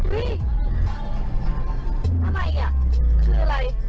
อุ๊ยทำไมอ่ะคืออะไร